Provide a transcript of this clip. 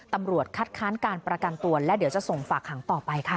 ตำรวจคัดค้านการประกันตัวและเดี๋ยวจะส่งฝากหางต่อไปค่ะ